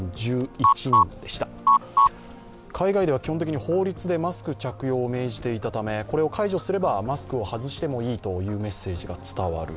海外では基本的に法律でマスク着用を命じていたため、これを解除すればマスクを外してもいいというメッセージが伝わる。